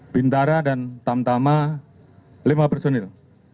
bintara dan tamtama lima personil